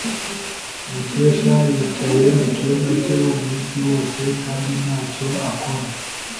Mukesha yicaye mucyumba cye umunsi wose kandi ntacyo akora.